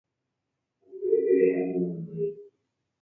upépe añemondýi